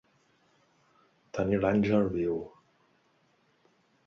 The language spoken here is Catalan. Tenir l'àngel viu.